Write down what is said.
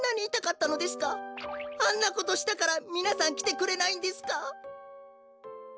あんなことしたからみなさんきてくれないんですか？